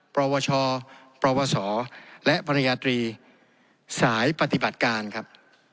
ประวัชชอประวัสสอและปรญญาตรีสายปฏิบัติการครับ